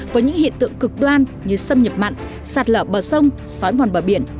với những hiện tượng cực đoan như sâm nhập mặn sạc lỡ bờ sông sói mòn bờ biển